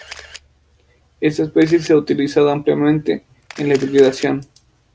Esta especie se ha utilizado ampliamente en la hibridación.